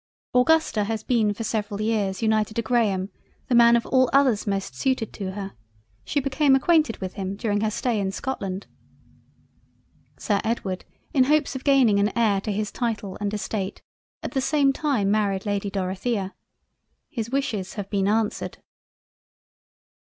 Augusta has been for several years united to Graham the Man of all others most suited to her; she became acquainted with him during her stay in Scotland. Sir Edward in hopes of gaining an Heir to his Title and Estate, at the same time married Lady Dorothea—. His wishes have been answered.